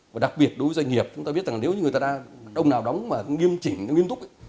và đặc biệt đối với doanh nghiệp chúng ta biết rằng nếu như người ta đang đông nào đóng mà nghiêm trình nghiêm túc